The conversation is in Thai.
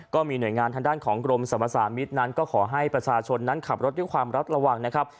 ก็มีหน่วยงานทางด้านของกรมสรรพสามิตรนั้นก็ขอให้ประชาชนนั้นขับรถด้วยความรับระวังนะครับ